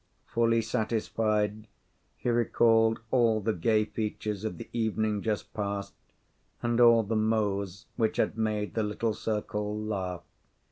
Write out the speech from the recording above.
Fully satisfied, he recalled all the gay features of the evening just passed, and all the mots which had made the little circle laugh.